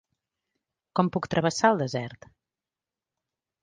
Com puc travessar el desert?